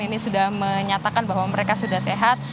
ini sudah menyatakan bahwa mereka sudah sehat